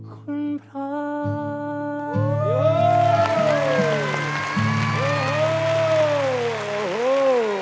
คุณพร้อม